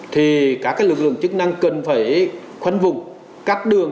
thì các lực lượng chức năng cần phải khoanh vùng cắt đường